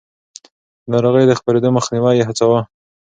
د ناروغيو د خپرېدو مخنيوی يې هڅاوه.